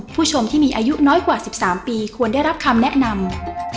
ผู้ชมที่มีอายุน้อยกว่า๑๓ปีควรได้รับคำแนะนำ